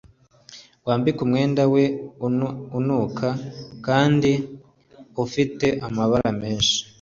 Wambike umwenda we unuka kandi ufite amabara menshi